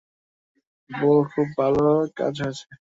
বোহ, খুব ভালো কাজ হয়েছে।